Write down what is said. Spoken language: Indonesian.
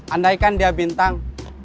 andaikan dia bintang